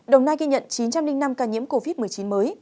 đồng nai ghi nhận chín trăm linh năm ca nhiễm covid một mươi chín mới